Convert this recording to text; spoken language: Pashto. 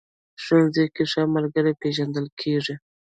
ښوونځی کې ښه ملګري پېژندل کېږي